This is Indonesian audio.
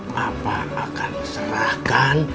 papa akan serahkan